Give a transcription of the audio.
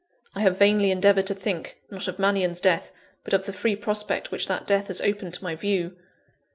I have vainly endeavoured to think, not of Mannion's death, but of the free prospect which that death has opened to my view.